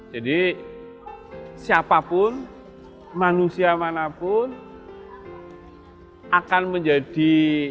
jadi siapapun manusia manapun akan menjadi